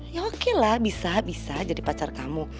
ya oke lah bisa bisa jadi pacar kamu